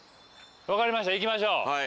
分かりましたいきましょう。